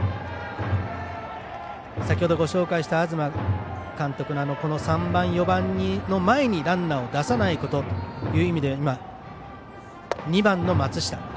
先ほどご紹介した、東監督の３番、４番の前にランナーを出さないことという意味では今、２番の松下。